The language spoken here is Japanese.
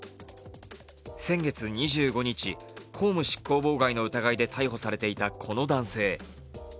先月２５日、公務執行妨害の疑いで逮捕されていたこの男性。